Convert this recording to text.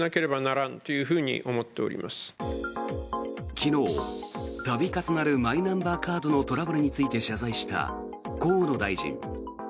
昨日、度重なるマイナンバーカードのトラブルについて謝罪した河野大臣。